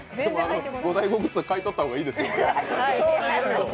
ゴダイゴグッズ、買い取った方がいいですよ。